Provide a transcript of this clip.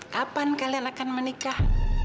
kapan kalian akan menikah